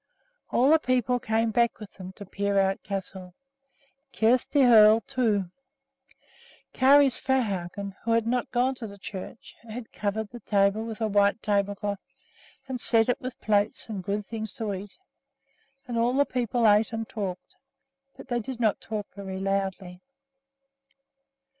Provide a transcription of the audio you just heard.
All the people came back with them to Peerout Castle, Kjersti Hoel, too. Kari Svehaugen, who had not gone to the church, had covered the table with a white tablecloth, and set it with plates and good things to eat. And all the people ate and talked, but they did not talk very loudly.